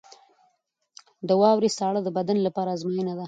• د واورې ساړه د بدن لپاره ازموینه ده.